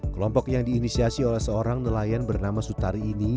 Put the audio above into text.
kelompok yang diinisiasi oleh seorang nelayan bernama sutari ini